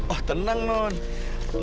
oh tenang norn